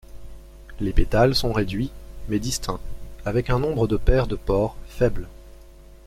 Les pétales sont réduits mais distincts, avec un nombre de paires de pores faible.